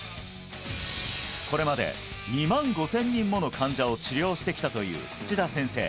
これまで２万５０００人もの患者を治療してきたという土田先生